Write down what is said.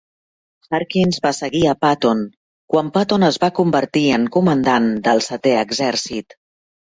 Harkins va seguir a Patton quan Patton es va convertir en comandant del Setè Exèrcit.